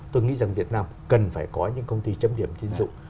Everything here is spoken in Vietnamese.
tôi nghĩ rằng việt nam cần phải có những công ty chấm điểm tiết nhiệm